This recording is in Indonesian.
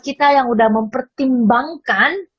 kita yang udah mempertimbangkan